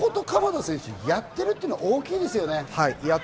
そこと鎌田選手、やっているというのは大きいですよね。